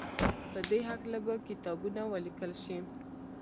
په دې هکله به کتابونه وليکل شي.